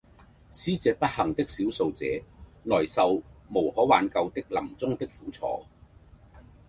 使這不幸的少數者來受無可挽救的臨終的苦楚，